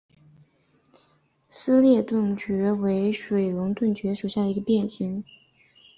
撕裂盾蕨为水龙骨科盾蕨属盾蕨下的一个变型。